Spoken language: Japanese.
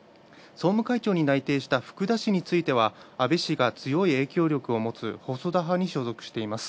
総務会長に内定した福田氏については安倍氏が強い影響力を持つ細田派に所属しています。